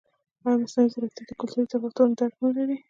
ایا مصنوعي ځیرکتیا د کلتوري تفاوتونو درک نه لري؟